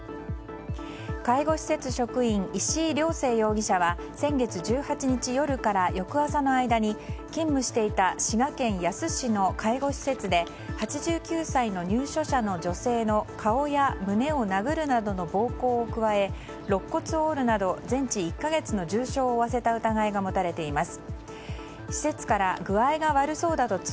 介護施設職員、石井亮成容疑者は先月１８日夜から翌朝の間に勤務していた滋賀県野洲市の介護施設で８９歳の入所者の女性の顔や胸を殴るなどの暴行を加えろっ骨を折るなど全治１か月の重傷を負わせた疑いが持たれています。